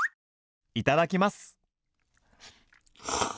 いただきます！